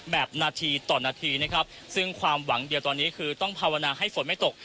แบบนาทีต่อนาทีนะครับซึ่งความหวังเดียวตอนนี้คือต้องภาวนาให้ฝนไม่ตก